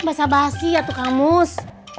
basah basi ya tukamus